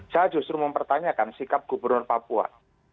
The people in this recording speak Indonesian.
saya justru mempertanyakan sikap gubernur papua